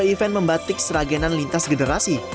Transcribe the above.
event membatik seragenan lintas generasi